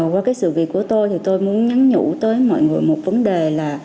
qua cái sự việc của tôi thì tôi muốn nhắn nhủ tới mọi người một vấn đề là